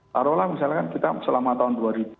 taruhlah misalnya kan kita selama tahun